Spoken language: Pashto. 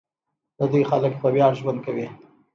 د دوی خلک په ویاړ ژوند کوي.